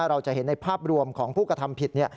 เราจะเห็นในภาพรวมของผู้กระทำผิด